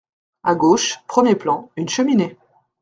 À gauche, premier plan, une cheminée.